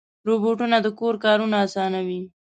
روبوټونه د کور کارونه اسانوي.